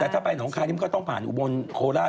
แต่ถ้าไปหนองคายนี่มันก็ต้องผ่านอุบลโคราช